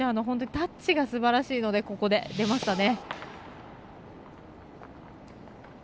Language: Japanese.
タッチがすばらしいのでここで出ましたね。